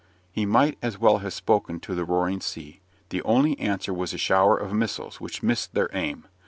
He might as well have spoken to the roaring sea. The only answer was a shower of missiles, which missed their aim.